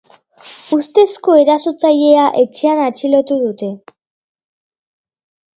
Ustezko erasotzailea etxean atxilotu dute.